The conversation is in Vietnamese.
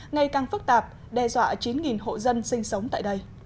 ngày càng phức tạp đe dọa chín hộ dân sinh sống tại đây